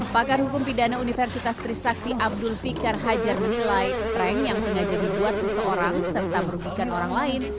pakar hukum pidana universitas trisakti abdul fikar hajar menilai prank yang sengaja dibuat seseorang serta merugikan orang lain